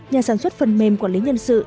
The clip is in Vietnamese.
nhà sản xuất phần mềm quản lý nhân sự